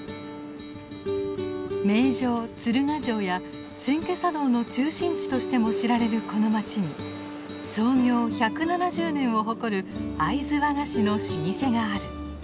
名城鶴ヶ城や千家茶道の中心地としても知られるこの街に創業１７０年を誇る会津和菓子の老舗がある。